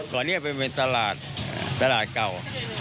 ก่อนนี้เป็นตลาดตลาดเก่า